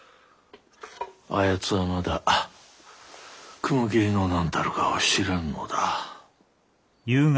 あやつはまだ雲霧の何たるかを知らぬのだ。